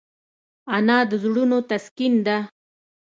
انا د زړونو تسکین ده